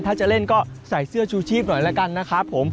ถ้าจะเล่นก็ใส่เสื้อชูชีพหน่อยแล้วกันนะครับผม